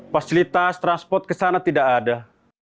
fasilitas transport ke sana tidak ada